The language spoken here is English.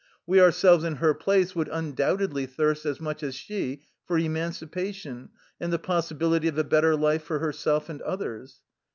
... We ourselves in her place would undoubtedly thirst as much as she for emancipation and the possibility of a better life for herself and others.